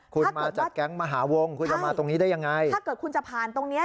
คุณมาจากแก๊งมหาวงคุณจะมาตรงนี้ได้ยังไงถ้าเกิดคุณจะผ่านตรงเนี้ย